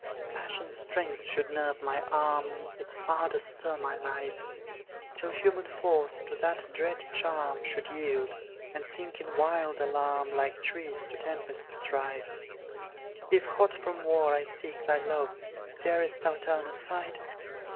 Passion's strength should nerve my arm, Its ardour stir my life, Till human force to that dread charm Should yield and sink in wild alarm, Like trees to tempest strife. If, hot from war, I seek thy love, Darest thou turn aside?